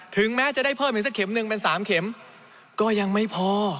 ถึงแม้จะได้เพิ่มอีกสักเข็มหนึ่งเป็น๓เข็มก็ยังไม่พอ